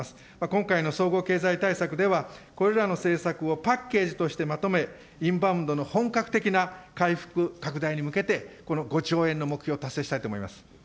今回の総合経済対策では、これらの政策をパッケージとしてまとめ、インバウンドの本格的な回復拡大に向けて、この５兆円の目標を達成したいと思います。